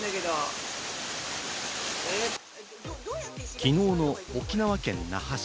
きのうの沖縄県那覇市。